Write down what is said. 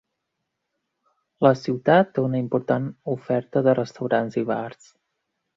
La ciutat té una important oferta de restaurants i bars.